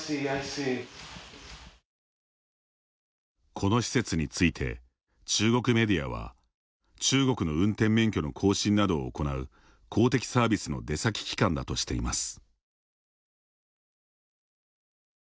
この施設について中国メディアは中国の運転免許の更新などを行う公的サービスの出先機関だとしています。